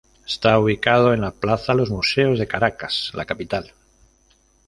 Está ubicado en la Plaza Los Museos de Caracas, la capital.